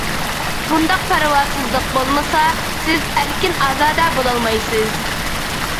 بۇنداق پەرۋاسىزلىق بولمىسا، سىز ئەركىن-ئازادە بولالمايسىز.